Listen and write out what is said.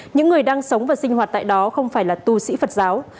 những người đang sống và sinh hoạt tại đó không phải là tu sĩ phật giáo